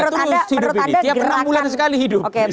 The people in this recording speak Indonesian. tiap enam bulan sekali hidup